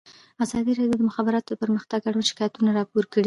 ازادي راډیو د د مخابراتو پرمختګ اړوند شکایتونه راپور کړي.